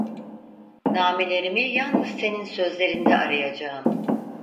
Nağmelerimi yalnız senin sözlerinde arayacağım.